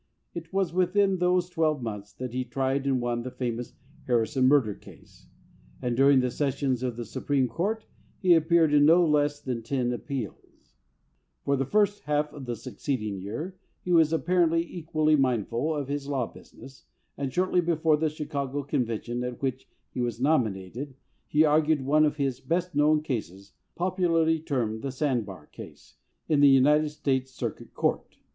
It was within those twelve months that he tried and won the famous Harrison murder case, and during the sessions of the Supreme Court he appeared in no less than ten appeals. For the 282 Maj. Gen. John M. Palmer AS CANDIDATE first half of the succeeding year he was ap parently equally mindful of his law business, and shortly before the Chicago convention at which he was nominated he argued one of his best known cases, popularly termed the "sand bar" case, in the United States Circuit Court.